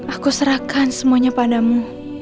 aku serahkan semuanya padamu